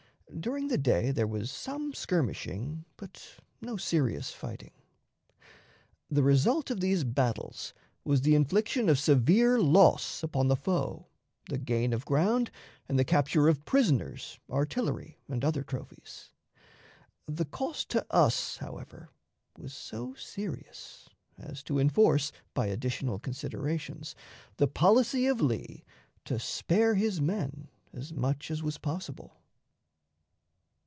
During the day there was some skirmishing, but no serious fighting. The result of these battles was the infliction of severe loss upon the foe, the gain of ground, and the capture of prisoners, artillery, and other trophies. The cost to us, however, was so serious as to enforce, by additional considerations, the policy of Lee to spare his men as much as was possible.